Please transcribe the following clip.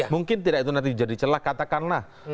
mungkin tidak itu nanti jadi celah katakanlah